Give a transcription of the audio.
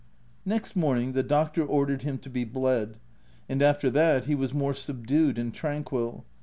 Next morning, the doctor ordered him to be bled ; and after that, he was more subdued and tranquil.